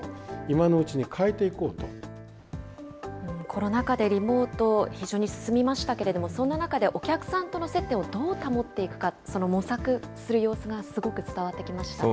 コロナ禍でリモート、非常に進みましたけれども、そんな中でお客さんとの接点をどう保っていくか、その模索する様そうですね。